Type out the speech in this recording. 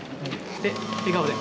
で笑顔で。